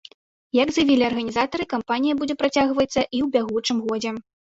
Як заявілі арганізатары, кампанія будзе працягвацца і ў бягучым годзе.